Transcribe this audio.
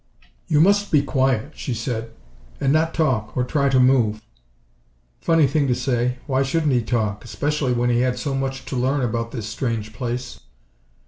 "You must be quiet," she said, "and not talk, or try to move." Funny thing to say. Why shouldn't he talk especially when he had so much to learn about this strange place?